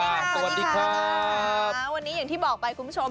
สวัสดีครับวันนี้อย่างที่บอกไปคุณผู้ชม